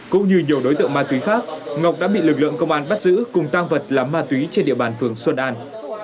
cũng như nhiều đối tượng ma túy khác ngọc đã bị lực lượng công an bắt giữ cùng tang vật là ma túy trên địa bàn phường xuân an